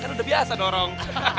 kan udah biasa dorong